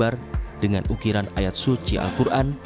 sabar dengan ukiran ayat suci al quran